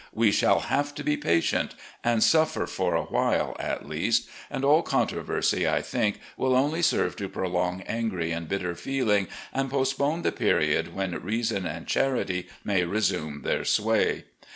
We shall have to be patient and suffer for awhile at least; and all con troversy, I think, will only serve to prolong angry and bitter feeling, and postpone the period when reason and charity may resume their sway.